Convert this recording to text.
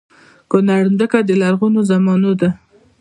کونړ ځمکه د لرغونو زمانو ده